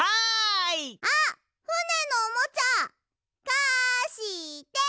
あっふねのおもちゃ！かして！